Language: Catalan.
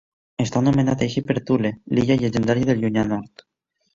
Està nomenat així per Thule, l'illa llegendària del llunyà nord.